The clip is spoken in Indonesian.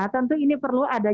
tentu ini perlu ada